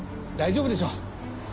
大丈夫でしょう。